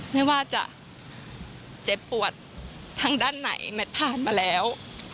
ไม่ว่าจะเจ็บปวดทางด้านไหนแมทผ่านมาแล้ว